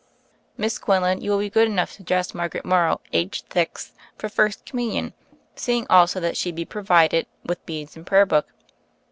Miss Quinlan, you will be good enough to dress Margaret Morrow, age thix, for First Communion, seeing also that she be provided with beads and prayer book."